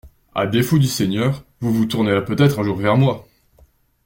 A défaut du Seigneur, vous vous tournerez peut-être un jour vers moi.